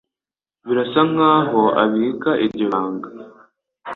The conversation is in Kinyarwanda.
Birasa nkaho abika iryo banga.